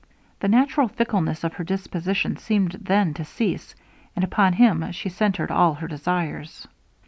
The natural fickleness of her disposition seemed then to cease, and upon him she centered all her desires.